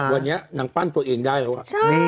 วันนี้นางปั้นตัวเองได้แล้ว